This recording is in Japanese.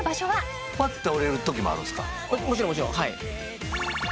もちろんもちろんはい。